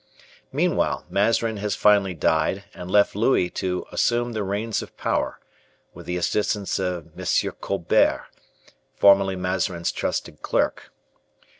Meanwhile, Mazarin has finally died, and left Louis to assume the reigns of power, with the assistance of M. Colbert, formerly Mazarin's trusted clerk.